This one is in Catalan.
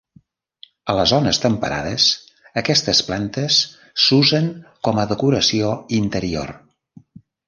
A les zones temperades aquestes plantes s'usen com a decoració interior.